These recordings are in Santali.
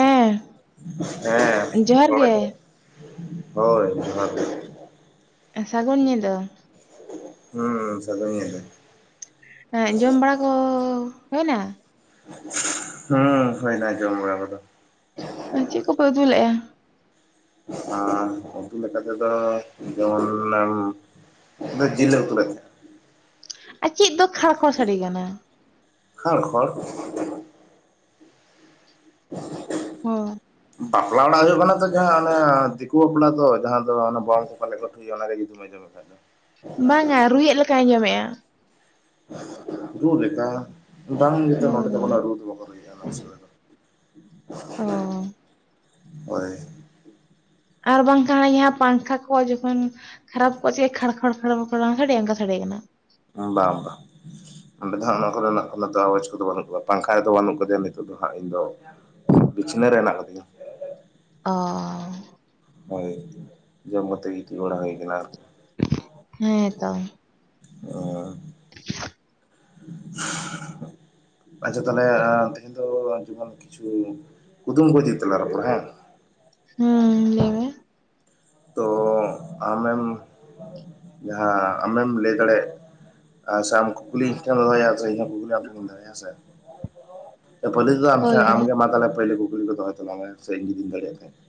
ᱦᱮᱸ ᱦᱮᱸ ᱡᱚᱦᱟᱨ ᱨᱚᱲ ᱜᱮ ᱟᱸᱡᱚᱢᱚᱜ ᱦᱳᱭ ᱡᱚᱦᱟᱨ ᱜᱮ ᱥᱟᱹᱜᱩᱱ ᱧᱤᱫᱟᱹ ᱦᱩᱸ ᱥᱟᱹᱜᱩᱱ ᱧᱤᱫᱟᱹ ᱦᱮ ᱡᱚᱢ ᱵᱟᱲᱟ ᱠᱚ ᱦᱳᱭᱱᱟ ᱦᱩᱸ ᱦᱳᱭᱱᱟ ᱡᱚᱢ ᱵᱟᱲᱟ ᱠᱚᱫᱚ ᱪᱤᱜ ᱠᱚᱯᱮ ᱩᱛᱩ ᱞᱮᱜ-ᱟ ᱟᱨ ᱩᱛᱩ ᱞᱮᱠᱟ ᱛᱮᱫᱚ ᱡᱮᱢᱚᱱ ᱞᱮᱫᱚ ᱡᱤᱞ ᱞᱮ ᱩᱛᱩ ᱞᱮᱫ ᱛᱟᱸᱦᱮᱜ-ᱟ ᱟᱨ ᱪᱮᱫ ᱫᱚ ᱠᱷᱟᱲ ᱠᱷᱚᱲ ᱥᱟᱰᱤ ᱠᱟᱱᱟ ᱠᱷᱟᱲ ᱠᱷᱚᱲ [inaudible] ᱦᱳᱭ ᱵᱟᱯᱞᱟ ᱚᱲᱟᱜ ᱦᱩᱭᱩᱜ ᱠᱟᱱᱟ ᱛᱚ ᱡᱟᱦᱟᱸ ᱚᱱᱟ ᱫᱤᱠᱩ ᱵᱟᱯᱞᱟ ᱛᱚ ᱡᱟᱦᱟᱸ ᱫᱚ ᱚᱱᱟ ᱵᱚᱢ ᱠᱚ ᱯᱟᱞᱮ ᱠᱚ ᱦᱩᱭ ᱚᱱᱟ ᱜᱮ ᱡᱩᱫᱤ ᱟᱢ ᱠᱟᱜ ᱵᱟᱝ-ᱟ ᱨᱩᱭᱮᱹᱜ ᱞᱮᱠᱟᱧᱸ ᱟᱸᱡᱚᱢᱮ-ᱟ ᱨᱩ ᱞᱮᱠᱟ ᱵᱟᱝ ᱡᱚ ᱱᱚᱰᱮ ᱫᱚ ᱦᱳᱭ ᱨᱩ ᱫᱚ ᱵᱟᱠᱚ ᱚᱱᱟ ᱥᱚᱢᱚᱭ ᱫᱚ ᱚ ᱦᱳᱭ ᱟᱨ ᱵᱟᱝᱠᱷᱟ ᱯᱟᱝᱠᱷᱟ ᱠᱚᱣᱟᱜ ᱡᱚᱠᱷᱚᱱ ᱠᱷᱟᱨᱟ ᱠᱚᱪ ᱠᱷᱚᱲ ᱠᱷᱚᱲ ᱠᱷᱚᱲ ᱠᱷᱚᱲᱟᱝ ᱠᱷᱰᱮᱟᱝᱜᱟ ᱥᱟᱰᱮ ᱠᱟᱱᱟ ᱵᱟᱝ ᱵᱟᱝ ᱚᱸᱰᱮ ᱫᱚ ᱦᱟᱸᱜ ᱚᱱᱟ ᱠᱚᱨᱮᱱᱟᱜ ᱟᱡᱽ ᱠᱚᱫᱚ ᱵᱟᱹᱱᱩᱜ ᱠᱟᱫᱟ ᱯᱟᱝᱠᱷᱟ ᱫᱚ ᱵᱟᱹᱱᱩᱜ ᱠᱟᱫᱮᱭᱟ ᱱᱤᱛᱚᱜ ᱫᱚ ᱦᱟᱸᱜ ᱤᱧ ᱫᱚ ᱵᱤᱪᱷᱱᱟᱹ ᱨᱮ ᱦᱮᱱᱟᱜ ᱠᱟᱫᱤᱧᱟ ᱚ ᱦᱳᱭ ᱡᱚᱢ ᱠᱟᱛᱮ ᱜᱤᱛᱤᱧ ᱵᱟᱲᱟ ᱦᱩᱭ ᱠᱟᱱᱟ ᱟᱨ ᱦᱮᱸ ᱛᱚ ᱚ [inaudible] ᱟᱪᱪᱷᱟ ᱛᱟᱦᱞᱮ ᱛᱮᱦᱮᱧ ᱫᱚ ᱡᱮᱢᱚᱱ ᱠᱤᱪᱷᱩ ᱠᱩᱫᱩᱢ ᱠᱚ ᱤᱫᱤ ᱠᱟᱛᱮ ᱞᱟᱜ ᱨᱚᱯᱚᱲ ᱟ ᱦᱮ ᱦᱩᱸ ᱞᱟᱭ ᱢᱮ ᱛᱚ ᱟᱢᱮᱢ ᱡᱟᱦᱟᱸ ᱟᱢᱮᱢ ᱞᱟᱹᱭ ᱫᱟᱲᱮᱭᱟᱜ ᱟᱥᱮ ᱟᱢ ᱠᱩᱠᱩᱞᱤᱧ ᱠᱚᱢ ᱫᱚᱦᱚᱭᱟ ᱯᱩᱭᱞᱩ ᱟᱢ ᱦᱳᱭ ᱦᱳᱭ ᱴᱮᱱ ᱤᱧ ᱯᱩᱭᱞᱩ ᱠᱩᱠᱞᱤ ᱫᱟᱦᱚᱭ ᱚᱛ ᱵᱟᱝ ᱮ ᱥᱮᱨᱮᱧ ᱡᱩᱤ ᱫᱟᱲᱮᱭᱟᱜ ᱛᱟᱦᱮᱸᱫ ᱠᱷᱚᱡ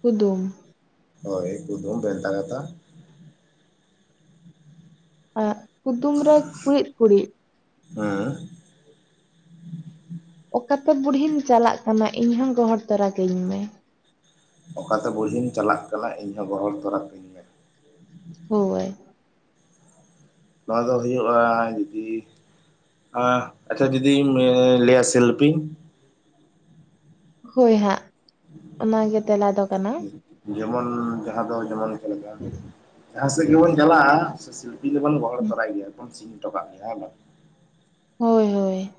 ᱠᱩᱫᱩᱢ ᱦᱳᱭ ᱠᱩᱫᱩᱢ ᱵᱷᱮᱱᱛᱟ ᱠᱟᱛᱷᱟ ᱠᱩᱫᱩᱢ ᱨᱮ ᱠᱩᱲᱤᱫ ᱠᱩᱲᱤᱫ ᱦᱮᱸ ᱚᱠᱟᱛᱮ ᱵᱩᱲᱦᱤᱧ ᱪᱟᱞᱟᱜ ᱠᱟᱱᱟ ᱤᱧ ᱦᱚᱸ ᱜᱚᱦᱚᱲ ᱛᱚᱨᱟ ᱠᱟᱧ ᱢᱮ ᱚᱠᱟᱛᱮ ᱵᱩᱲᱦᱤᱢ ᱪᱟᱞᱟᱜ ᱠᱟᱱᱟ ᱤᱧᱦᱚᱸ ᱜᱚᱦᱚᱲ ᱛᱚᱨᱟ ᱠᱤᱧ ᱦᱳᱭ ᱱᱚᱣᱟ ᱫᱚ ᱦᱩᱭᱩᱜᱼᱟ ᱡᱩᱫᱤ ᱟᱪᱪᱷᱟ ᱡᱩᱫᱤᱢ ᱞᱟᱹᱭᱟ ᱥᱤᱞᱯᱤᱧ ᱦᱳᱭ ᱦᱟᱸᱜ ᱚᱱᱟᱜᱮ ᱛᱮᱞᱟ ᱫᱚ ᱠᱟᱱᱟ ᱡᱮᱢᱚᱱ ᱡᱟᱦᱟᱸ ᱫᱚ ᱡᱮᱢᱚᱱ ᱪᱮᱫ ᱞᱮᱠᱟ ᱡᱟᱦᱟᱸ ᱥᱮᱫ ᱜᱮᱵᱚᱱ ᱪᱟᱞᱟᱜᱼᱟ ᱥᱤᱧᱯᱤᱧ ᱫᱚ ᱵᱚᱱ ᱜᱚᱦᱚᱲ ᱛᱚᱨᱚᱭ ᱜᱮᱭᱟ ᱥᱤᱧ ᱜᱮᱭᱟ᱾ ᱦᱳᱭ ᱦᱳᱭ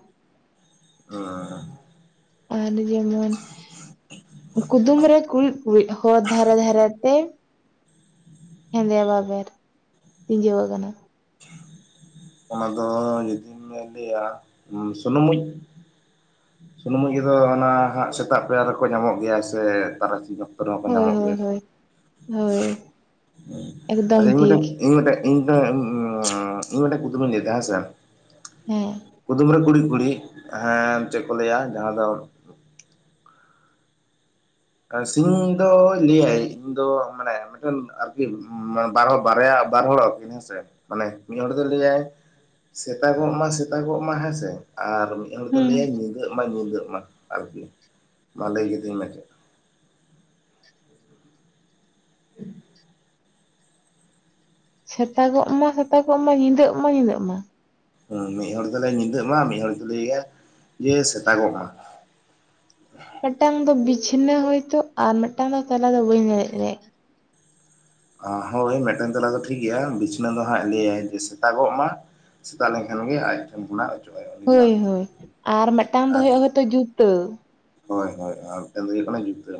ᱦᱚᱸᱻ ᱟᱨ ᱡᱮᱢᱚᱱ ᱠᱩᱫᱩᱢ ᱨᱮ ᱠᱩᱬᱤᱫ ᱠᱩᱬᱤᱫ ᱦᱚᱨ ᱫᱷᱟᱨᱮ ᱫᱷᱟᱨᱮ ᱛᱮ ᱦᱮᱸᱫᱮᱭᱟ ᱵᱟᱵᱮᱨ ᱛᱤᱡᱟᱹᱣᱟ ᱠᱟᱱᱟ᱾ ᱚᱱᱟ ᱫᱚ ᱡᱩᱫᱤᱢ ᱞᱟᱹᱭᱟ ᱥᱩᱱᱩᱢ ᱢᱩᱡ ᱥᱩᱱᱩᱢ ᱢᱩᱡ ᱫᱚ ᱚᱱᱟ ᱦᱟᱸᱜ ᱥᱮᱛᱟᱜ ᱯᱟᱭᱟᱨ ᱨᱮᱠᱚ ᱧᱟᱢᱚᱜ ᱜᱮᱭᱟ ᱥᱮ ᱛᱟᱨᱟᱥᱤᱧᱚᱜ ᱨᱚᱠᱚ ᱦᱳᱭ ᱧᱟᱢᱚᱜ ᱦᱳᱭ ᱜᱮᱭᱟ ᱦᱳᱭ ᱦᱳᱭ ᱮᱠᱫᱚᱢ ᱟᱪᱪᱷᱟ ᱤᱧ ᱢᱤᱫᱴᱮᱡ ᱴᱷᱤᱠ ᱤᱧ ᱢᱤᱫᱴᱮᱡ ᱤᱧ ᱤᱧ ᱢᱤᱫᱴᱟᱝ ᱠᱩᱫᱩᱢ ᱤᱧ ᱞᱟᱹᱭ ᱫᱟ ᱦᱮᱸ ᱠᱩᱫᱩᱢ ᱨᱮ ᱠᱩᱬᱤᱫ ᱠᱩᱬᱤᱫ ᱦᱮᱸ ᱪᱮᱫ ᱠᱚ ᱞᱟᱹᱭᱟ ᱡᱟᱦᱟᱸ ᱫᱚ ᱥᱤᱧ ᱫᱚ ᱞᱟᱹᱭᱟᱭ ᱤᱧ ᱫᱚ ᱢᱟᱱᱮ ᱢᱤᱫᱴᱮᱱ ᱟᱨᱠᱤ ᱵᱟᱨ ᱦᱚᱲ ᱵᱟᱨᱭᱟ ᱵᱟᱨ ᱦᱚᱲ ᱟᱠᱤᱱ ᱦᱮᱸᱥᱮ ᱢᱟᱱᱮ ᱢᱤᱫ ᱦᱚᱲ ᱫᱚᱭ ᱞᱟᱹᱭᱟᱭ ᱥᱮᱛᱟᱜᱚᱜ ᱢᱟ ᱥᱮᱛᱟᱜᱚᱜ ᱢᱟ ᱦᱮᱸᱥᱮ ᱟᱨ ᱤᱧ ᱦᱚᱲ ᱫᱚ ᱦᱩᱸ ᱞᱟᱹᱭ ᱟ ᱧᱤᱫᱟᱹᱜ ᱢᱟ ᱧᱤᱫᱟᱹᱜ ᱢᱟ ᱟᱨᱠᱤ ᱢᱟ ᱞᱟᱹᱭ ᱠᱟᱛᱤᱧ ᱢᱮ ᱪᱮᱫ? ᱥᱮᱛᱟᱜᱚᱜ ᱢᱟ ᱥᱮᱛᱟᱜᱚᱜ ᱢᱟ ᱧᱤᱫᱟᱹᱜ ᱢᱟ ᱧᱤᱫᱟᱹᱜ ᱢᱟ ᱦᱮᱸ ᱢᱤᱫ ᱦᱚᱲ ᱫᱚ ᱞᱟᱹᱭᱟ ᱧᱤᱫᱟᱹᱜ ᱢᱟ ᱢᱤᱫ ᱦᱚᱲ ᱫᱚ ᱞᱟᱹᱭᱟ ᱡᱮ ᱥᱮᱛᱟᱜᱚᱜ ᱢᱟ ᱢᱤᱫᱴᱟᱝ ᱫᱚ ᱵᱤᱪᱷᱱᱟᱹ ᱦᱳᱭᱛᱚ ᱟᱨ ᱢᱤᱫᱴᱟᱝ ᱫᱚ ᱛᱟᱦᱞᱮ ᱫᱚ ᱵᱟᱹᱧ ᱞᱟᱹᱭ ᱫᱟᱲᱮᱭᱟᱜᱼᱟ ᱦᱳᱭ ᱢᱮᱫᱴᱮᱱ ᱛᱮᱞᱟ ᱫᱚ ᱴᱷᱤᱠ ᱜᱮᱭᱟ ᱵᱤᱪᱷᱱᱟᱹ ᱫᱚ ᱦᱟᱸᱜ ᱞᱟᱹᱭᱟ ᱥᱮᱛᱟᱜᱚᱜ ᱢᱟ ᱥᱮᱛᱟᱜ ᱞᱮᱱᱠᱷᱟᱱ ᱜᱮ ᱟᱡ ᱴᱷᱮᱱ ᱠᱷᱚᱱᱟᱜ ᱚᱪᱚᱜ ᱟᱭ ᱩᱱᱤ ᱦᱳᱭ ᱢᱟᱹᱱᱢᱤ ᱫᱚ ᱦᱳᱭ ᱟᱨ ᱢᱤᱫᱴᱟᱝ ᱫᱚ ᱟᱨ ᱦᱩᱭᱩᱜᱼᱟ ᱦᱳᱭᱛᱳ ᱡᱩᱛᱟᱹ ᱦᱳᱭ ᱦᱳᱭ ᱟᱨ ᱢᱮᱫᱴᱮᱱ ᱫᱚ ᱦᱩᱭᱩᱜ ᱠᱟᱱᱟ ᱡᱩᱛᱟ.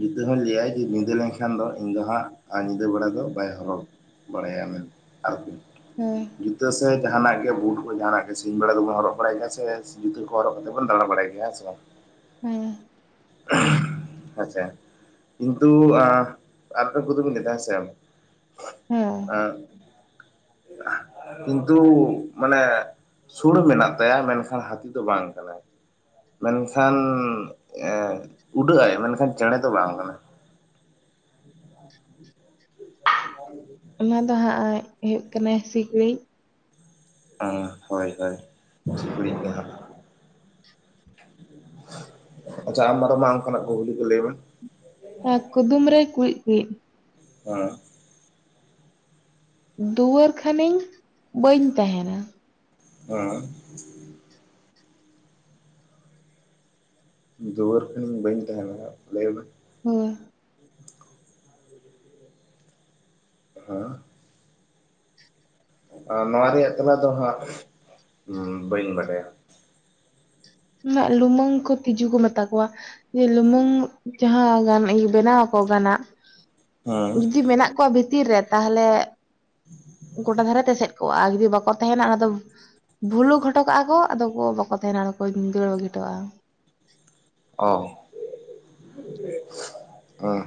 ᱡᱤᱛᱟᱹ ᱦᱚᱸᱭ ᱞᱟᱹᱭᱟ ᱡᱮ ᱧᱤᱫᱟᱹ ᱞᱮᱱᱠᱷᱟᱱ ᱫᱚ ᱤᱧ ᱫᱚ ᱦᱟᱸᱜ ᱟᱨ ᱧᱤᱫᱟᱹ ᱵᱮᱲᱟ ᱫᱚ ᱵᱟᱭ ᱦᱚᱨᱚᱜᱟ ᱵᱟᱲᱟᱭᱟ ᱢᱮᱱ ᱟᱨᱠᱤ ᱦᱳᱭ ᱡᱩᱛᱟᱹ ᱥᱮᱫ ᱡᱟᱦᱟᱱᱟᱜ ᱜᱮ ᱵᱩᱴ ᱠᱚ ᱡᱟᱦᱟᱱᱟᱜ ᱜᱮ ᱥᱤᱧ ᱵᱮᱲᱟ ᱫᱚᱵᱚᱱ ᱦᱚᱨᱚᱜ ᱵᱟᱲᱟᱭ ᱜᱮᱭᱟ ᱥᱮ ᱡᱩᱛᱟᱹ ᱠᱚ ᱦᱚᱨᱚᱜ ᱠᱟᱛᱮ ᱵᱚᱱ ᱫᱟᱬᱟ ᱵᱟᱲᱟᱭ ᱜᱮᱭᱟ ᱦᱮᱸ ᱥᱮ ᱵᱟᱝ ᱦᱮᱸ ᱟᱪᱪᱷᱟ ᱠᱤᱱᱛᱩ ᱟᱨ ᱢᱤᱫᱴᱟᱝ ᱠᱩᱫᱩᱢᱤᱧ ᱞᱟᱹᱭ ᱫᱟ ᱦᱮᱸᱥᱮ ᱦᱮᱸ ᱮᱸᱜ ᱠᱤᱱᱛᱩ ᱢᱟᱱᱮ ᱥᱩᱬ ᱢᱮᱱᱟᱜ ᱛᱟᱭᱟ ᱢᱮᱱᱠᱷᱟᱱ ᱦᱟᱹᱛᱤ ᱫᱚ ᱵᱟᱝ ᱠᱟᱱᱟᱭ ᱢᱮᱱᱠᱷᱟᱱ ᱮᱸ ᱩᱰᱟᱹᱜ ᱟᱭ ᱢᱮᱱᱠᱷᱟᱱ ᱪᱮᱬᱮ ᱫᱚ ᱵᱟᱝ ᱠᱟᱱᱟᱭ [unintelligible] ᱱᱚᱣᱟ ᱟ ᱫᱚ ᱦᱟᱸᱜ ᱦᱩᱭᱩᱜ ᱠᱟᱱᱟᱭ ᱥᱤᱠᱬᱤᱡ ᱚᱸ ᱦᱳᱭ ᱦᱳᱭ ᱴᱷᱤᱠ ᱵᱤᱱ ᱞᱟᱹᱭ ᱠᱮᱜᱼᱟ ᱟᱪᱪᱷᱟ ᱟᱢ ᱟᱨᱚ ᱢᱟ ᱚᱱᱠᱟᱱᱟᱜ ᱠᱩᱠᱞᱤ ᱠᱚ ᱞᱟᱹᱭ ᱢᱮ ᱠᱩᱫᱩᱢ ᱨᱮ ᱠᱩᱬᱤᱫ ᱠᱩᱬᱤᱫ ᱦᱮᱸ ᱫᱩᱣᱟᱹᱨ ᱠᱷᱟᱱᱤᱧ ᱵᱟᱹᱧ ᱛᱟᱦᱮᱱᱟ ᱦᱮᱸ ᱫᱩᱣᱟᱹᱨ ᱠᱷᱟᱱᱤᱧ ᱵᱟᱹᱧ ᱛᱟᱦᱮᱱᱟ ᱞᱟᱹᱭ ᱢᱮ ᱦᱳᱭ ᱦᱮᱸ ᱱᱚᱣᱟ ᱨᱮᱭᱟᱜ ᱛᱮᱞᱟ ᱫᱚ ᱦᱟᱸᱜ ᱵᱟᱹᱧ ᱵᱟᱰᱟᱭᱟ ᱱᱟᱜ ᱞᱩᱢᱟᱹᱝ ᱠᱚ ᱛᱤᱡᱩ ᱠᱚ ᱢᱮᱛᱟ ᱠᱚᱣᱟ ᱡᱮ ᱞᱩᱢᱩᱝ ᱡᱟᱦᱟᱸ ᱜᱟᱱ ᱵᱮᱱᱟᱣ ᱟᱠᱚ ᱜᱟᱱᱟᱜ ᱦᱮᱸ ᱡᱩᱫᱤ ᱢᱮᱱᱟᱜ ᱠᱚᱣᱟ ᱵᱷᱤᱛᱤᱨ ᱨᱮ ᱛᱟᱦᱚᱞᱮ [inaudible] ᱜᱚᱴᱟ ᱫᱷᱟᱨᱮ ᱛᱮ ᱮᱥᱮᱫ ᱠᱚᱜᱼᱟ ᱟᱨ ᱡᱩᱫᱤ ᱵᱟᱠᱚ ᱛᱟᱦᱮᱱᱟ ᱚᱱᱟ ᱫᱚ ᱵᱷᱩᱞᱩᱠ ᱦᱚᱴᱚ ᱠᱟᱜᱼᱟ ᱠᱚ ᱟᱫᱚ ᱠᱚ ᱵᱟᱠᱚ ᱛᱟᱦᱮᱱᱟ ᱟᱫᱚ ᱠᱚ ᱫᱟᱹᱲ ᱵᱟᱜᱤ ᱦᱚᱴᱚᱣᱟᱜᱼᱟ ᱚ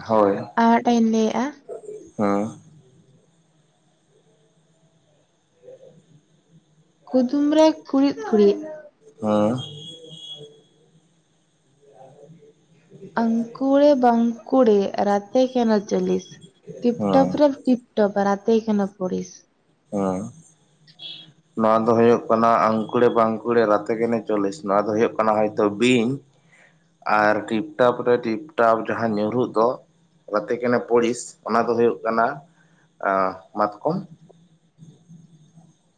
ᱦᱳᱭ ᱟᱨ ᱢᱤᱫᱴᱟᱝ ᱤᱧ ᱞᱟᱹᱭᱮᱜᱼᱟ ᱦᱮᱸ ᱠᱩᱫᱩᱢ ᱨᱮ ᱠᱩᱬᱤᱫ ᱠᱩᱬᱤᱫ ᱦᱩᱸ ᱟᱝᱠᱩᱲᱮ ᱵᱟᱝᱠᱩᱲᱮ ᱨᱟᱛᱮ ᱠᱮᱱᱚ ᱪᱚᱞᱤᱥ ᱴᱤᱯᱴᱟᱯ ᱦᱮᱸ ᱨᱮ ᱴᱤᱯ ᱼᱼ ᱴᱚᱯ ᱨᱟᱛᱮ ᱠᱮᱱᱳ ᱯᱚᱲᱤᱥ ᱦᱮᱸ [inaudible] ᱱᱚᱣᱟ ᱫᱚ ᱦᱩᱭᱩᱜ ᱠᱟᱱᱟ ᱟᱝᱠᱩᱲᱮ ᱵᱟᱝᱠᱩᱲᱮ ᱨᱟᱛᱮ ᱠᱮᱱᱮ ᱪᱚᱞᱤᱥ ᱱᱚᱣᱟ ᱫᱚ ᱦᱩᱭᱩᱜ ᱠᱟᱱᱟ ᱦᱚᱭᱛᱳ ᱵᱤᱧ ᱟᱨ ᱴᱤᱯᱴᱟᱯ ᱨᱮ ᱴᱤᱯᱴᱟᱯ ᱡᱟᱦᱟᱸ ᱧᱩᱨᱩᱜ ᱫᱚ ᱨᱟᱛᱮ ᱠᱮᱱᱮ ᱯᱚᱲᱤᱥ ᱚᱱᱟ ᱫᱚ ᱦᱩᱭᱩᱜ ᱠᱟᱱᱟ [unintelligible] ᱢᱟᱛᱠᱚᱢ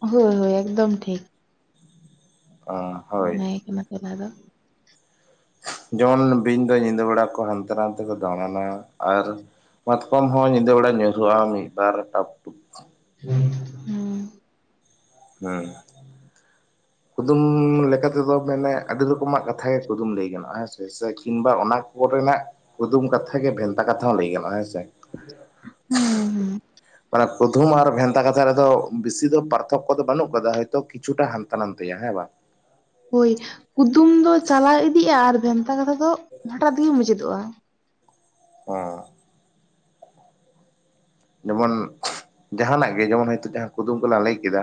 ᱦᱳᱭ ᱦᱳᱭ ᱮᱠᱫᱚᱢ ᱴᱷᱤᱠ ᱦᱳᱭ ᱢᱟᱹᱭᱤᱠ ᱚᱱᱟ ᱯᱚᱨᱮ ᱟᱫᱚ ᱡᱮᱢᱚᱱ ᱵᱤᱧ ᱫᱚ ᱧᱤᱫᱟᱹ ᱵᱮᱲᱟ ᱠᱚ ᱦᱟᱱᱛᱮ ᱱᱷᱟᱛᱮ ᱠᱚ ᱫᱟᱬᱟᱱᱟ ᱟᱨ ᱢᱟᱛᱠᱚᱢ ᱦᱚᱸ ᱧᱤᱫᱟᱹ ᱵᱮᱲᱟ ᱧᱩᱨᱩᱜᱼᱟ ᱢᱤᱫᱵᱟᱨ ᱴᱟᱯ ᱴᱩᱯ [unintelligible] ᱦᱮᱸ [inaudible] ᱠᱩᱫᱩᱢ ᱞᱮᱠᱟᱛᱮᱫᱚ ᱢᱟᱱᱮ ᱟᱹᱰᱤ ᱨᱚᱠᱚᱢᱟᱜ ᱠᱟᱛᱷᱟ ᱜᱮ ᱠᱩᱫᱩᱢ ᱞᱟᱹᱭ ᱜᱟᱱᱚᱜᱼᱟ ᱦᱮᱸ ᱥᱮ ᱥᱮ ᱠᱤᱝᱵᱟ ᱚᱱᱟ ᱯᱚᱨᱮᱱᱟᱜ ᱠᱩᱫᱩᱢ ᱠᱟᱛᱷᱟ ᱜᱮ ᱵᱷᱮᱱᱛᱟ ᱠᱟᱛᱷᱟ ᱦᱚᱸ ᱞᱟᱹᱭ ᱜᱟᱱᱚᱜᱼᱟ ᱦᱮᱸᱥᱮ [inaudible] [unintelligible] ᱢᱟᱱᱮ ᱠᱩᱫᱩᱢ ᱟᱨ ᱵᱷᱮᱱᱛᱟ ᱠᱟᱛᱷᱟ ᱨᱮᱫᱚ ᱵᱮᱥᱤ ᱫᱚ [unintelligible] [unintelligible] ᱠᱚᱫᱚ ᱵᱟᱹᱱᱩᱜ ᱠᱟᱫᱟ ᱦᱚᱭᱛᱚ ᱠᱤᱪᱷᱩᱴᱟ ᱦᱟᱱᱛᱮ ᱱᱷᱟᱛᱮᱭᱟ ᱦᱮᱸ ᱵᱟᱝ ᱦᱳᱭ ᱠᱩᱫᱩᱢ ᱫᱚ ᱪᱟᱞᱟᱣ ᱤᱫᱤᱜᱼᱟ ᱟᱨ ᱵᱷᱮᱱᱛᱟ ᱠᱟᱛᱷᱟ ᱫᱚ ᱦᱚᱴᱟᱛ ᱜᱮ ᱢᱩᱪᱟᱹᱫᱚᱜᱼᱟ [unintelligible] ᱡᱮᱢᱚᱱ ᱡᱟᱦᱟᱱᱟᱜ ᱜᱮ ᱡᱮᱢᱚᱱ ᱦᱚᱭᱛᱳ ᱡᱟᱦᱟᱸ ᱠᱩᱫᱩᱢ ᱠᱚᱞᱮ ᱞᱟᱹᱭ ᱠᱮᱫᱟ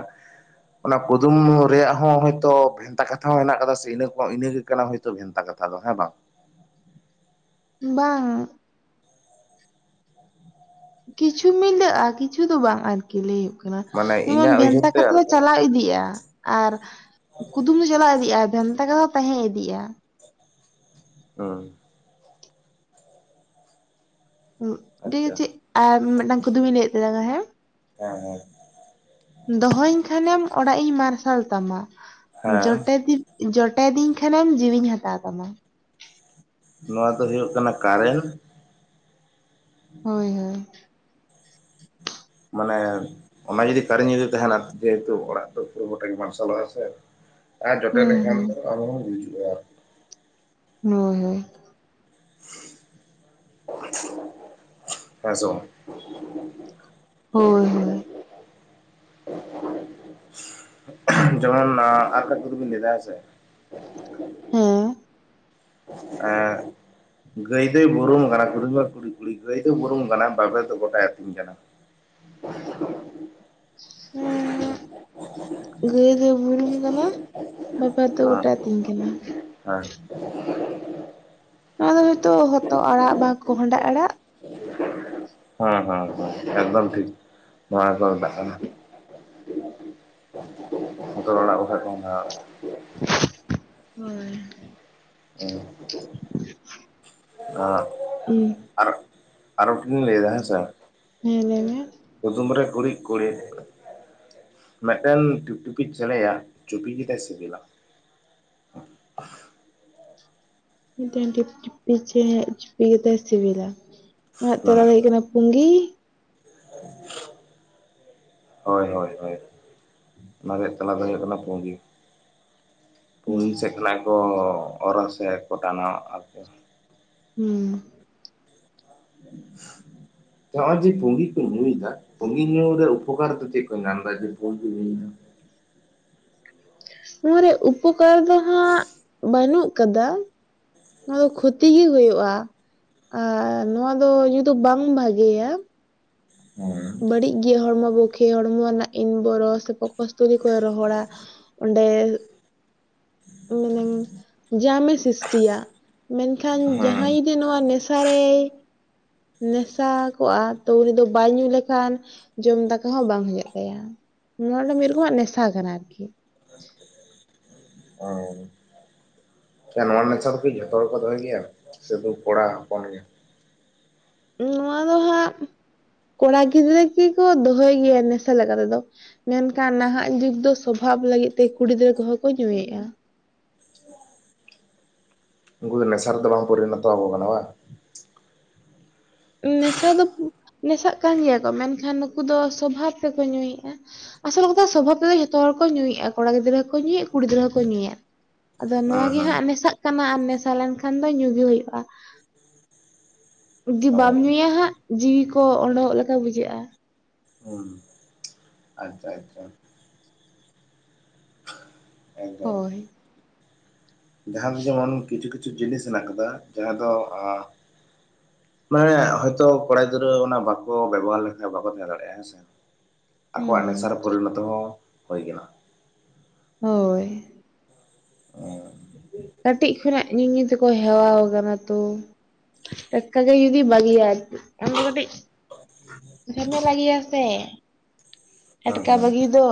ᱚᱱᱟ ᱠᱩᱫᱩᱢ ᱨᱮᱭᱟᱜ ᱦᱚᱸ ᱦᱚᱭᱛᱚ [unintelligible] ᱵᱷᱮᱱᱛᱟ ᱠᱟᱛᱷᱟ ᱦᱚᱸ ᱦᱮᱱᱟᱜ ᱠᱟᱫᱟ ᱥᱮ ᱤᱱᱟᱹ ᱠᱚ ᱤᱱᱟᱹᱜᱮ ᱠᱟᱱᱟ ᱦᱚᱭᱛᱚ ᱵᱷᱮᱱᱛᱟ ᱠᱟᱛᱷᱟ ᱫᱚ ᱦᱮᱸ ᱵᱟᱝ ᱵᱟᱝ ᱠᱤᱪᱷᱩ ᱢᱤᱞᱟᱹᱜᱼᱟ ᱠᱤᱪᱷᱩ ᱫᱚ ᱵᱟᱝ ᱟᱨ [unintelligible] ᱞᱟᱹᱭ ᱦᱩᱭᱩᱜ ᱠᱟᱱᱟ ᱢᱟᱱᱮ ᱡᱮᱢᱚᱱ ᱤᱧᱟᱹᱜ ᱩᱭᱦᱟᱹᱨ ᱵᱷᱮᱱᱛᱟ ᱛᱮ ᱠᱟᱛᱷᱟ ᱫᱚ ᱟᱨᱠᱤ ᱪᱟᱞᱟᱣ ᱤᱫᱤᱜᱼᱟ ᱟᱨ ᱠᱩᱫᱩᱢ ᱫᱚ ᱪᱟᱞᱟᱣ ᱤᱫᱤᱜᱼᱟ ᱵᱷᱮᱱᱛᱟ ᱠᱟᱛᱷᱟ ᱫᱚ ᱛᱟᱦᱮᱸ ᱤᱫᱤᱜᱼᱟ ᱦᱮᱸ [unintelligible] ᱴᱷᱤᱠ ᱟᱪᱷᱮ ᱟᱪᱪᱷᱟ ᱟᱨ ᱢᱤᱫᱴᱟᱝ ᱠᱩᱫᱩᱢᱤᱧ ᱞᱟᱹᱭᱮᱫ ᱛᱟᱞᱟᱝᱟ ᱦᱮᱸ ᱦᱮᱸ ᱦᱮᱸ ᱫᱚᱦᱚᱧ ᱠᱷᱟᱱᱮᱢ ᱚᱲᱟᱜ ᱤᱧ ᱢᱟᱨᱥᱟᱞ ᱛᱟᱢᱟ ᱦᱮᱸ [unintelligible] ᱡᱚᱴᱮᱫᱤᱧ ᱠᱷᱟᱱᱮᱢ ᱡᱤᱣᱤᱧ ᱦᱟᱛᱟᱣ ᱛᱟᱢᱟ ᱱᱚᱣᱟ ᱫᱚ ᱦᱩᱭᱩᱜ ᱠᱟᱱᱟ ᱠᱟᱨᱮᱱᱴ ᱦᱳᱭ ᱦᱳᱭ ᱢᱟᱱᱮ ᱚᱱᱟ ᱡᱩᱫᱤ ᱠᱟᱨᱮᱱᱴ ᱡᱩᱫᱤ ᱛᱟᱦᱮᱱᱟ ᱡᱮᱦᱩᱛᱩ ᱚᱲᱟᱜ ᱫᱚ ᱯᱩᱨᱟᱹ ᱜᱚᱴᱟᱜᱮ ᱢᱟᱨᱥᱟᱞᱚᱜᱼᱟ ᱥᱮ ᱟᱨ ᱡᱚᱴᱮᱫ ᱦᱩᱸ ᱞᱮᱠᱷᱟᱱ ᱦᱩᱸ ᱫᱚ ᱟᱵᱚ ᱵᱚᱱ ᱜᱩᱡᱩᱜᱼᱟ ᱦᱳᱭ ᱦᱳᱭ [inaudible] ᱦᱮᱸᱥᱮ ᱵᱟᱝ ᱦᱳᱭ ᱦᱳᱭ ᱡᱮᱢᱚᱱ ᱟᱨ ᱠᱟᱹᱴᱤᱡ ᱪᱩᱞᱩᱝ ᱤᱧ ᱞᱟᱹᱭ ᱮᱫᱟ ᱦᱮᱸᱥᱮ [inaudible] ᱦᱮᱸ [unintelligible] ᱜᱟᱹᱭ ᱫᱚᱭ ᱵᱩᱨᱩᱢ ᱠᱟᱱᱟ ᱠᱩᱫᱩᱢ ᱨᱮ ᱠᱩᱬᱤᱫ-ᱠᱩᱬᱤᱫ ᱜᱟᱹᱭ ᱫᱚᱭ ᱵᱩᱨᱩᱢ ᱠᱟᱱᱟ ᱵᱟᱵᱮᱨ ᱫᱚ ᱜᱚᱴᱟᱭ ᱟᱹᱛᱤᱧ ᱠᱟᱱᱟ [unintelligible] ᱜᱟᱹᱭ ᱫᱚᱭ ᱵᱩᱨᱩᱢ ᱠᱟᱱᱟ ᱵᱟᱵᱟ ᱫᱚ ᱜᱚᱴᱟ ᱦᱮᱸ ᱟᱹᱛᱤᱧ ᱠᱟᱱᱟ ᱦᱮᱸ [inaudible] ᱱᱚᱣᱟ ᱫᱚ ᱦᱚᱭᱛᱚ ᱦᱚᱛᱚᱫ ᱟᱲᱟᱜ ᱵᱟ ᱠᱚᱸᱦᱰᱟ ᱟᱲᱟᱜ ᱦᱮᱸ ᱦᱮᱸ ᱦᱮᱸ ᱮᱠᱫᱚᱢ ᱴᱷᱤᱠ ᱱᱚᱣᱟ ᱜᱮᱠᱚ ᱢᱮᱛᱟᱜ ᱠᱟᱱᱟ [inaudible] [inaudible] ᱦᱚᱛᱚᱫ ᱟᱲᱟᱜ ᱵᱟᱠᱷᱟᱡ ᱠᱚᱸᱦᱰᱟ ᱟᱲᱟᱜ [inaudible] ᱦᱳᱭ ᱦᱮᱸ [unintelligible] [unintelligible] ᱦᱩᱸ ᱟᱨᱚ ᱢᱤᱫᱴᱮᱱᱤᱧ ᱞᱟᱹᱭ ᱮᱫᱟ ᱦᱮᱸᱥᱮ ᱦᱮᱸ ᱞᱮᱭᱢᱮ ᱠᱩᱫᱩᱢ ᱨᱮ ᱠᱩᱲᱤᱫ ᱠᱩᱲᱤᱫᱼᱼ ᱢᱤᱫᱴᱮᱱ ᱴᱤᱯ ᱴᱤᱯᱤ ᱪᱮᱬᱮᱭᱟᱜ ᱪᱩᱯᱤ ᱜᱮᱛᱟᱭ ᱥᱤᱵᱤᱞᱟ ᱢᱤᱫᱴᱮᱱ ᱢᱤᱯ ᱴᱤᱯᱤ ᱪᱮᱸᱦᱮᱭᱟᱜ ᱪᱩᱯᱤ ᱜᱮᱛᱟᱭ ᱥᱤᱵᱤᱞᱟ ᱚᱱᱟ ᱛᱮᱞᱟ ᱦᱩᱸ ᱫᱚ ᱦᱩᱭᱩᱜ ᱠᱟᱱᱟᱼᱼ ᱯᱩᱸᱜᱤ [inaudible] ᱦᱳᱭ ᱦᱳᱭ ᱦᱳᱭ ᱚᱱᱟ ᱨᱮᱭᱟᱜ ᱛᱮᱞᱟ ᱫᱚ ᱦᱩᱭᱩᱜ ᱠᱟᱱᱟ ᱯᱩᱸᱜᱤ ᱯᱩᱸᱜᱤ ᱥᱮᱫ ᱦᱩᱸ ᱠᱷᱚᱱᱟᱜ ᱠᱚ ᱚᱨᱟ ᱥᱮ ᱟᱨᱠᱚ ᱴᱟᱱᱣᱟ ᱟᱠᱤ ᱦᱩᱸ ᱛᱚ ᱦᱚᱸᱼᱚᱭ ᱡᱮ ᱯᱩᱸᱜᱤ ᱠᱚ ᱧᱩᱭᱫᱟ ᱯᱩᱸᱜᱤ ᱧᱩᱨᱮ ᱩᱯᱚᱠᱟᱨ ᱫᱚ ᱪᱮᱫ ᱠᱚ ᱧᱟᱢ ᱫᱟ ᱡᱮ ᱯᱩᱸᱜᱤ ᱠᱚ ᱧᱩᱭᱫᱟ ᱱᱚᱣᱟ ᱨᱮᱭᱟᱜ ᱩᱯᱚᱠᱟᱨ ᱫᱚ ᱦᱟᱸᱜ ᱵᱟᱹᱱᱩᱜ ᱠᱟᱫᱟ ᱱᱚᱣᱟ ᱫᱚ ᱠᱷᱚᱛᱤ ᱜᱮ ᱦᱩᱭᱩᱜᱼᱟ ᱟᱨ ᱱᱚᱣᱟ ᱫᱚ ᱧᱩ ᱫᱚ ᱵᱟᱝ ᱵᱷᱟᱜᱮᱭᱟ ᱦᱩᱸ ᱵᱟᱹᱲᱤᱡ ᱜᱮᱭᱟ ᱦᱚᱲᱢᱚ ᱯᱚᱠᱠᱷᱮ ᱦᱚᱲᱢᱚ ᱨᱮᱱᱟᱜ ᱤᱱ ᱵᱚᱨᱚ ᱥᱮ ᱯᱚᱠᱚᱥᱛᱚᱞᱤ ᱠᱚᱭ ᱨᱚᱦᱚᱲᱟ ᱚᱸᱰᱮ ᱢᱟᱱᱮᱢ ᱡᱟᱢᱮ ᱥᱤᱥᱴᱤᱭᱟ ᱢᱮᱱᱠᱷᱟᱱ ᱦᱮᱸ ᱡᱟᱦᱟᱸᱭ ᱡᱩᱫᱤ ᱱᱚᱣᱟ ᱱᱮᱥᱟ ᱨᱮᱭ ᱢᱮᱥᱟ ᱠᱚᱜᱼᱟ ᱛᱚ ᱩᱱᱤ ᱫᱚ ᱵᱟᱭ ᱧᱩ ᱞᱮᱠᱷᱟᱱ ᱡᱚᱢ ᱫᱟᱠᱟ ᱦᱚᱸ ᱵᱟᱝ ᱦᱟᱡᱟᱜ ᱛᱟᱭᱟ᱾ ᱱᱚᱣᱟ ᱫᱚ ᱢᱤᱫ ᱨᱚᱠᱚᱢᱟᱜ ᱱᱮᱥᱟ ᱠᱟᱱᱟ ᱟᱨ ᱠᱤ᱾ ᱦᱳᱭ ᱱᱚᱣᱟ ᱱᱮᱥᱟ ᱫᱚ ᱠᱤ ᱡᱷᱚᱛᱚ ᱦᱚᱲᱠᱚ ᱫᱚᱦᱚᱭ ᱜᱮᱭᱟ, ᱥᱩᱫᱩ ᱠᱚᱲᱟ ᱦᱚᱯᱚᱱ ᱜᱮ ᱱᱚᱣᱟ ᱫᱚ ᱦᱟᱸᱜ [inaudible] ᱠᱚᱲᱟ ᱜᱤᱫᱽᱨᱟᱹ ᱜᱮᱠᱚ ᱫᱚᱦᱚᱭ ᱜᱮᱭᱟ ᱱᱮᱥᱟ ᱞᱮᱠᱟ ᱛᱮᱫᱚ, ᱢᱮᱱᱠᱷᱟᱱ ᱱᱟᱦᱟᱜ ᱡᱩᱜᱽ ᱫᱚ ᱥᱚᱵᱷᱟᱵ ᱞᱟᱹᱜᱤᱫ ᱛᱮ ᱠᱩᱲᱤ ᱜᱤᱫᱽᱨᱟᱹ ᱠᱚᱦᱚᱸ ᱠᱚ ᱧᱩᱭᱮᱫᱼᱟ᱾ ᱩᱱᱠᱩ ᱫᱚ ᱱᱮᱥᱟ ᱨᱮᱫᱚ ᱵᱟᱝ ᱯᱚᱨᱤᱱᱚᱛᱚ ᱟᱠᱚ ᱠᱟᱱᱟ᱾ ᱱᱮᱥᱟ ᱫᱚ ᱱᱮᱥᱟᱜ ᱠᱟᱱ ᱜᱮᱭᱟ ᱠᱚ ᱢᱮᱱᱠᱷᱟᱱ, ᱱᱩᱠᱩ ᱫᱚ ᱥᱚᱵᱷᱟᱵ ᱛᱮᱠᱚ ᱧᱩᱭᱮᱫᱼᱟ᱾ ᱟᱥᱚᱞ ᱠᱟᱛᱷᱟ ᱥᱚᱵᱷᱟᱵᱽ ᱛᱮᱫᱚ ᱡᱚᱛᱚ ᱦᱚᱲ ᱠᱚ ᱧᱩᱭᱟ, ᱠᱚᱲᱟ ᱜᱤᱫᱽᱨᱟᱹ ᱦᱚᱸᱠᱚ ᱧᱩᱭᱮᱫ ᱠᱩᱲᱤ ᱜᱤᱫᱽᱟᱹ ᱦᱚᱸ ᱠᱚ ᱧᱩᱭᱮᱫ ᱟᱫᱚ ᱱᱚᱣᱟ ᱦᱮᱸ ᱜᱮ ᱦᱮᱸ ᱦᱟᱸᱜ ᱢᱮᱥᱟᱜ ᱠᱟᱱᱟ, ᱟᱨ ᱢᱮᱥᱟ ᱞᱮᱱᱠᱷᱟᱱ ᱫᱚ ᱧᱩ ᱜᱮ ᱦᱩᱭᱩᱜᱼᱟ᱾ ᱡᱩᱫᱤ ᱚ ᱵᱟᱢ ᱧᱩᱭᱟ ᱦᱟᱸᱜ ᱡᱤᱣᱤ ᱠᱚ ᱚᱸᱰᱚᱠᱚᱜ ᱞᱮᱠᱟ ᱵᱩᱡᱷᱟᱹᱜᱼᱟ᱾ ᱦᱩᱸ ᱟᱪᱪᱷᱟ ᱟᱪᱪᱷᱟ ᱦᱳᱭ ᱡᱟᱸᱦᱟ ᱫᱚ ᱡᱮᱢᱚᱱ ᱠᱤᱪᱷᱩ ᱠᱤᱪᱷᱩ ᱡᱤᱱᱤᱥ ᱢᱮᱱᱟᱜ ᱟᱠᱟᱫᱟ, ᱡᱟᱸᱦᱟ ᱫᱚ ᱢᱟᱱᱮ ᱦᱚᱭᱛᱚ ᱠᱚᱲᱟ ᱜᱤᱫᱽᱨᱟᱹ ᱚᱱᱟ ᱵᱟᱠᱚ ᱵᱮᱵᱚᱦᱟᱨ ᱞᱮᱠᱷᱟᱱ ᱵᱟᱠᱚ ᱛᱟᱦᱮᱸ ᱫᱟᱲᱮᱭᱟᱜᱼᱟ ᱦᱮᱸ ᱥᱮ ᱦᱩᱸ ᱟᱠᱚᱣᱟᱜ ᱱᱮᱥᱟᱨᱮ ᱯᱚᱨᱤᱱᱚᱛᱚ ᱦᱚᱸ ᱦᱩᱭ ᱠᱟᱱᱟ᱾ ᱦᱳᱭ ᱚᱸ ᱠᱟᱹᱴᱤᱡ ᱠᱷᱚᱱᱟᱜ ᱧᱩ ᱧᱩ ᱛᱮᱠᱚ ᱦᱮᱣᱟᱣ ᱠᱟᱱᱟ ᱛᱚ, ᱴᱟᱴᱠᱟ ᱜᱮ ᱡᱩᱫᱤ ᱵᱟᱹᱜᱤᱭᱟᱭ ᱟᱢᱫᱚ ᱠᱟᱹᱴᱤᱡ ᱡᱷᱟᱢᱮᱞᱟ ᱜᱮᱭᱟ ᱥᱮ ᱴᱟᱴᱠᱟ ᱦᱮᱸ ᱵᱟᱹᱜᱤ ᱫᱚ,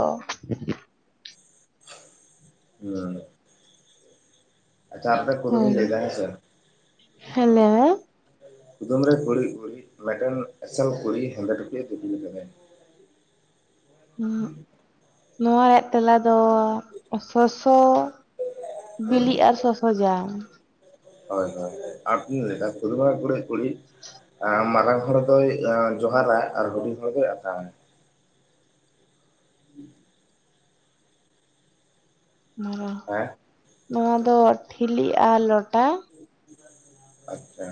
ᱦᱳᱭ ᱟᱪᱷᱷᱟ ᱟᱨ ᱢᱤᱫᱴᱟᱝ ᱠᱚᱫᱚᱢ ᱤᱧ ᱦᱳᱭ ᱞᱟᱹᱭ‌ᱮᱫᱟ ᱦᱮ ᱥᱮ, ᱦᱮᱞᱳ ᱠᱩᱫᱩᱢ ᱨᱮ ᱠᱩᱬᱤᱫ ᱠᱩᱬᱤᱫ ᱢᱤᱫᱴᱮᱱ ᱮᱥᱮᱞ ᱠᱩᱲᱤ ᱦᱮᱸᱫᱮ ᱴᱩᱠᱩᱢ ᱮ ᱫᱤᱯᱤᱞ ᱟᱠᱟᱫᱟᱭ [inaudible] ᱱᱚᱣᱟ ᱨᱮᱭᱟᱜ ᱛᱮᱞᱟ ᱫᱚ ᱥᱚᱥᱚ᱾ ᱦᱮᱸ ᱵᱤᱞᱤ ᱟᱨ ᱥᱚᱥᱚ ᱡᱟᱝ᱾ ᱦᱳᱭ ᱦᱳᱭ, ᱟᱨ ᱢᱤᱫᱴᱮᱱ ᱞᱟᱹᱭ ᱫᱟ ᱠᱩᱫᱩᱢ ᱨᱮ ᱠᱩᱬᱤᱫ ᱠᱩᱬᱤᱫ ᱢᱟᱨᱟᱝ ᱦᱚᱲ ᱫᱚᱭ ᱡᱚᱦᱟᱨᱼᱟ ᱟᱨ ᱦᱩᱰᱤᱧ ᱦᱚᱲ ᱫᱚᱭ ᱟᱛᱟᱝ [inaudible] ᱱᱚᱣᱟ ᱫᱚ ᱦᱮᱸ ᱱᱚᱣᱟ ᱫᱚ ᱴᱷᱤᱞᱤᱜ ᱟᱨ ᱞᱚᱴᱟ᱾ ᱟᱪᱪᱷᱟ,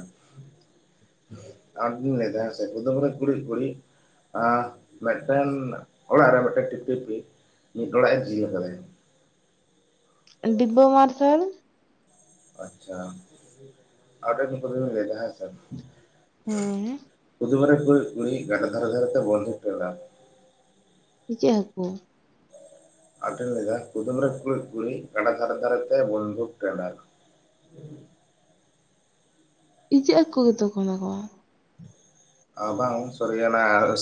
ᱤᱧ ᱞᱟᱹᱭ ᱮᱫᱟ ᱠᱩᱫᱩᱢ ᱨᱮ ᱠᱩᱬᱤᱫ ᱠᱩᱬᱤᱫ, ᱟᱜ ᱢᱤᱫᱴᱮᱱ ᱚᱲᱟᱜ ᱨᱮ ᱢᱤᱫᱴᱮᱱ ᱴᱤᱯᱤᱯᱤ ᱢᱤᱫ ᱚᱲᱟᱜ ᱮ ᱡᱤᱞ ᱟᱠᱟᱫᱟᱭ? ᱰᱤᱵᱟᱹ ᱢᱟᱨᱥᱟᱞ᱾ ᱟᱪᱪᱷᱟ ᱟᱨ ᱢᱤᱫᱴᱮᱱ ᱠᱩᱫᱩᱢ ᱤᱧ ᱞᱟᱹᱭ ᱮᱫᱟ ᱦᱮᱸᱥᱮ? ᱦᱮ ᱠᱩᱫᱩᱢ ᱨᱮ ᱠᱩᱬᱤᱫ ᱠᱩᱬᱤᱫ ᱜᱟᱰᱟ ᱫᱷᱟᱨᱮ ᱫᱷᱟᱨᱮ ᱛᱮ ᱵᱚᱱᱫᱩᱠ ᱴᱮᱸᱱᱰᱟᱨ? ᱤᱪᱷᱟᱹᱜ ᱦᱟᱠᱳ᱾ ᱟᱨ ᱢᱤᱫᱴᱮᱱ ᱞᱟᱹᱭ ᱮᱫᱟ ᱠᱩᱫᱩᱢ ᱨᱮ ᱠᱩᱬᱤᱫ ᱠᱩᱬᱤᱫ ᱜᱟᱰᱟ ᱫᱷᱟᱨᱮ ᱫᱷᱟᱨᱮ ᱛᱮ ᱵᱚᱱᱫᱩᱠ ᱴᱮᱸᱱᱰᱟᱨ? ᱤᱪᱷᱟᱹᱜ ᱦᱟᱠᱳ ᱜᱮᱛᱚ ᱠᱟᱱᱟ ᱠᱚ᱾ ᱟᱨ ᱵᱟᱝ ᱥᱚᱨᱤ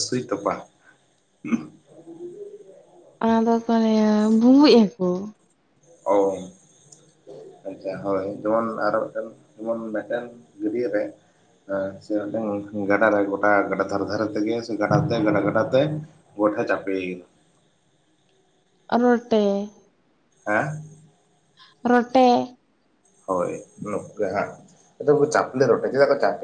ᱥᱩᱭ ᱛᱚᱯᱟ? ᱚᱱᱟ ᱫᱚ ᱛᱟᱦᱚᱞᱮ ᱵᱩᱵᱩᱝ ᱦᱟᱠᱳ᱾ ᱚ ᱟᱪᱪᱷᱟ ᱦᱳᱭ ᱡᱮᱢᱚᱱ ᱟᱨ ᱢᱤᱫᱴᱮᱱ ᱜᱟᱹᱰᱭᱟᱹ ᱨᱮ᱾ ᱦᱮ ᱥᱮ ᱜᱟᱰᱟ ᱨᱮ ᱜᱚᱴᱟ ᱜᱟᱰᱟ ᱫᱷᱟᱨᱮ ᱫᱷᱟᱨᱮ ᱛᱮᱜᱮ ᱥᱮ ᱜᱟᱰᱟ ᱛᱮ ᱜᱟᱰᱟ ᱜᱟᱰᱟ ᱛᱮ, ᱜᱳᱴᱟ ᱪᱟᱯᱮ? ᱨᱚᱴᱮ᱾ ᱦᱮᱸ ᱨᱚᱴᱮ ᱦᱳᱭ ᱱᱚᱠᱩ ᱜᱮ ᱦᱟᱸᱜ ᱪᱟᱯᱞᱮ ᱨᱚᱴᱮ ᱪᱮᱫᱟᱜ ᱠᱚ ᱪᱟᱯᱮ?